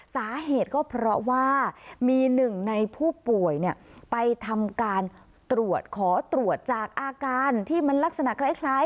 สาเหตุก็เพราะว่ามีหนึ่งในผู้ป่วยไปทำการตรวจขอตรวจจากอาการที่มันลักษณะคล้าย